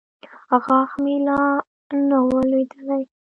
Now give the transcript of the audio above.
غاښ مې لا نه و لوېدلى.